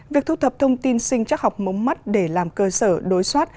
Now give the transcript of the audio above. việc thu thập thông tin sinh chắc học mống mắt để làm cơ sở đối soát